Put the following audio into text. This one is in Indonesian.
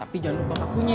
tapi jangan lupa mak punya